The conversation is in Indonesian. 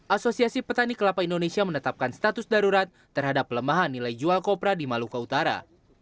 asosiasi petani kelapa indonesia menetapkan status darurat terhadap pelemahan nilai jual kopra di maluka utara